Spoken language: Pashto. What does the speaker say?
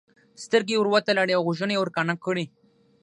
سترګې یې ورتړلې او غوږونه یې ورکاڼه کړي.